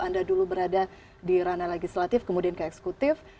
anda dulu berada di ranah legislatif kemudian ke eksekutif